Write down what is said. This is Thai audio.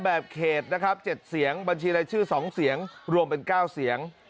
แบบเขตนะครับ๗เสียงบัญชีรายชื่อ๒เสียงรวมเป็น๙เสียง